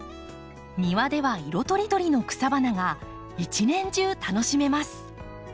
庭では色とりどりの草花が一年中楽しめます。